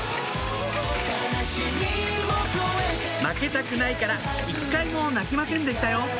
負けたくないから一回も泣きませんでしたよ